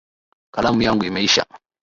Kalamu yangu imeisha